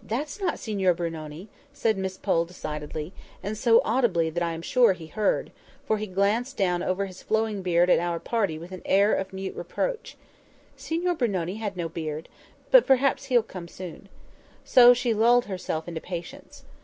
"That's not Signor Brunoni!" said Miss Pole decidedly; and so audibly that I am sure he heard, for he glanced down over his flowing beard at our party with an air of mute reproach. "Signor Brunoni had no beard—but perhaps he'll come soon." So she lulled herself into patience.